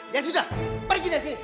ya sudah pergi dari sini